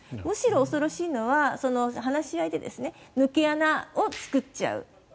むしろ恐ろしいのは話し合いで抜け穴を作っちゃう。